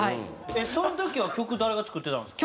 その時は曲誰が作ってたんですか？